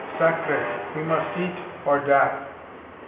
Sacre! we must eat, or die!"